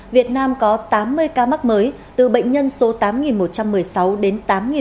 việt nam có tám mươi ca mắc mới từ bệnh nhân số tám một trăm một mươi sáu đến tám một trăm chín mươi năm